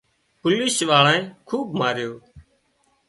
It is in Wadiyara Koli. پوليش واۯانئي خوٻ ماريو